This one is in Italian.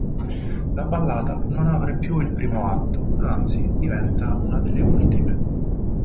La ballata non apre più il primo atto, anzi, diventa una delle ultime.